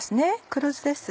黒酢です。